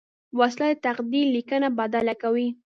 وسله د تقدیر لیکنه بدله کوي